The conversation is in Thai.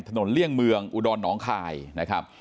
เลี่ยงเมืองอุดรหนองคายนะครับ